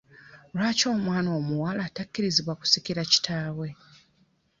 Lwaki omwana omuwala takkirizibwa kusikira kitaawe?